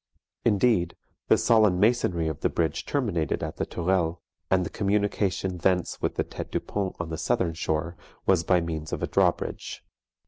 Indeed, the solid masonry of the bridge terminated at the Tourelles; and the communication thence with the tete du pont on the southern shore was by means of a drawbridge.